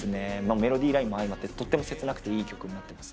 メロディーラインも相まってとても切なくていい曲になってますね。